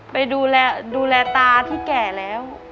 ไปดูแลตาที่แก่แล้ว